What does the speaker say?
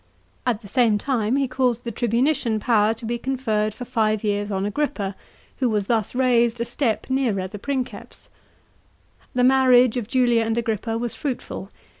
At the same time he caused the tribunician power to be conferred for five years on Agrippa, who was thus raised a step nearer the Princeps. The marriage of Julia and Agrippa was fruitful.